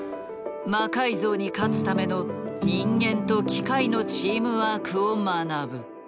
「魔改造」に勝つための人間と機械のチームワークを学ぶ。